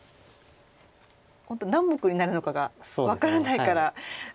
本当何目になるのかが分からないから。